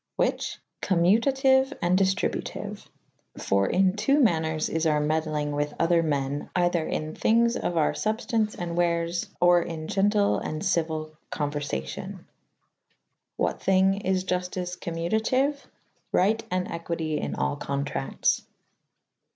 '' whiche ? Commutatyue and diftributyue / For in .ii.' ma«eres is our medlynge with other men other ' in thynges of our fubftance and wares, or in gentyll and cyuyle conuerfacyon. What thyng is Juftyce commutatyue? Ryght and equite in all contractes.